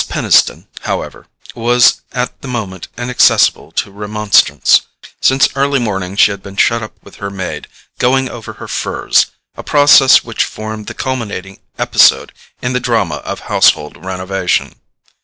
Peniston, however, was at the moment inaccessible to remonstrance: since early morning she had been shut up with her maid, going over her furs, a process which formed the culminating episode in the drama of household renovation.